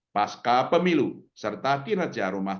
pasca pemilu serta kinerja rumah